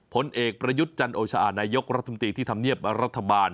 ผลเอกประยุทธ์จันโอชานายกรัฐมนตรีที่ทำเนียบรัฐบาล